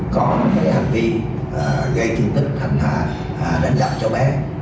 có cái hành vi gây thương tích thảnh hạ đánh giặc cho bé